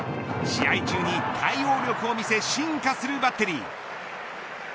試合中に、対応力を見せ進化するバッテリー。